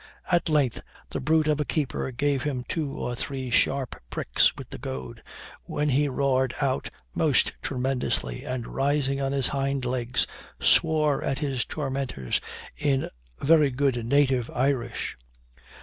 At length, the brute of a keeper gave him two or three sharp pricks with the goad, when he roared out most tremendously, and rising on his hind legs, swore at his tormentors in very good native Irish.